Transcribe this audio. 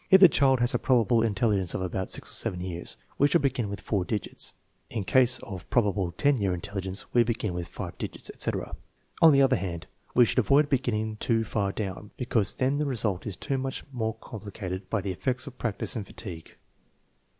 If the child has a probable intelligence of about 6 or 7 years, we should begin with four digits; in case of probable 10 year intelli gence we begin with five digits, etc. On the other hand, we should avoid beginning too far down, because then the re sult is too much complicated by the effects of practice and fatigue.